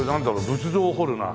仏像を彫るな。